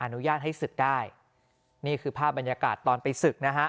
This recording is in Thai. อนุญาตให้ศึกได้นี่คือภาพบรรยากาศตอนไปศึกนะฮะ